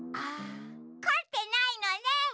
こってないのね！